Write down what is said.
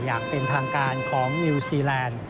อย่างเป็นทางการของนิวซีแลนด์